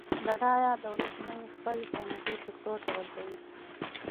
بډایه دولتونه یې خپل صنعتي سکتور ته ورکوي.